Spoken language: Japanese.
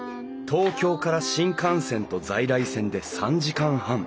東京から新幹線と在来線で３時間半。